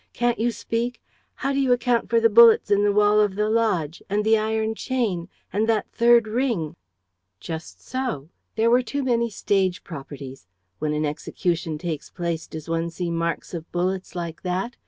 Can't you speak? How do you account for the bullets in the wall of the lodge? And the iron chain? And that third ring?" "Just so. There were too many stage properties. When an execution takes place, does one see marks of bullets like that?